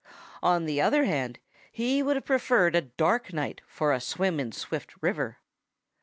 On the other hand, he would have preferred a dark night for a swim in Swift River.